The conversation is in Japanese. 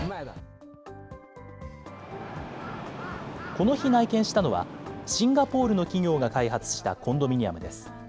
この日、内見したのはシンガポールの企業が開発したコンドミニアムです。